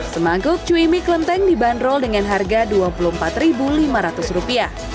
semangkuk cuimi klemteng dibanderol dengan harga rp dua puluh empat lima ratus